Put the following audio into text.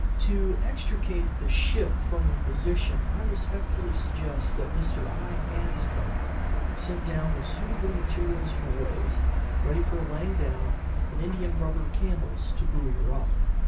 To extricate the ship from her position I respectfully suggest that Mr. I. Hanscom be sent down with suitable material for ways, ready for laying down, and india rubber camels to buoy her up.